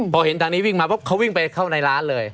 พอเห็นทางนี้วิ่งมาปุ๊บเขาวิ่งไปเข้าในร้านเลย